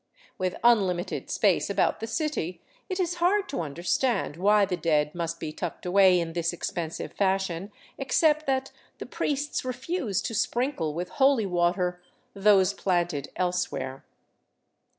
With unlimited space about the city, it is hard to understand why the dead must be tucked away in this expensive fashion, except that the priests refuse to sprinkle with holy water those planted else where.